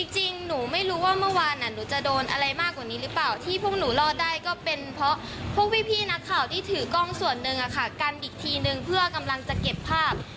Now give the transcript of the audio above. จริงหนูไม่รู้ว่าเมื่อวานหนูจะโดนอะไรมากกว่านี้หรือเปล่าที่พวกหนูรอดได้ก็เป็นเพราะพวกพี่นักข่าวที่ถือกล้องส่วนหนึ่งกันอีกทีนึงเพื่อกำลังจะเก็บภาพ